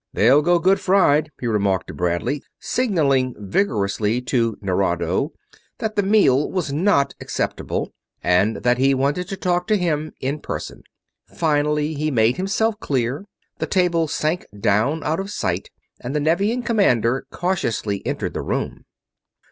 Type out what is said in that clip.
"They'll go good fried," he remarked to Bradley, signaling vigorously to Nerado that the meal was not acceptable and that he wanted to talk to him, in person. Finally he made himself clear, the table sank down out of sight, and the Nevian commander cautiously entered the room.